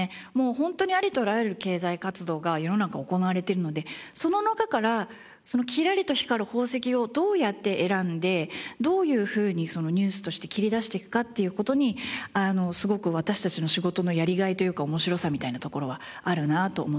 本当にありとあらゆる経済活動が世の中行われているのでその中からそのキラリと光る宝石をどうやって選んでどういうふうにニュースとして切り出していくかっていう事にすごく私たちの仕事のやりがいというか面白さみたいなところはあるなと思ってます。